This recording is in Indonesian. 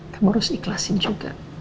kamu harus ikhlasin juga